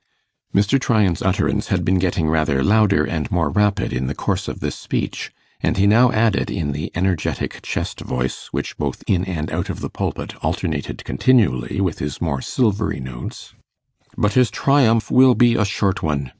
Mr. Tryan's utterance had been getting rather louder and more rapid in the course of this speech, and he now added, in the energetic chest voice, which, both in and out of the pulpit, alternated continually with his more silvery notes, 'But his triumph will be a short one.